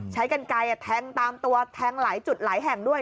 ใช้กันไกลแทงตามตัวแทงหลายจุดหลายแห่งด้วย